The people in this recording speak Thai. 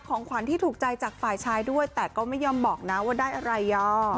ของขวัญที่ถูกใจจากฝ่ายชายด้วยแต่ก็ไม่ยอมบอกนะว่าได้อะไรอ่ะ